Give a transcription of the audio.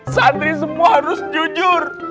santri semua harus jujur